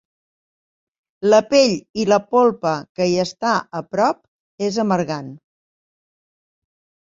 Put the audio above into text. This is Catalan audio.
La pell i la polpa que hi està a prop és amargant.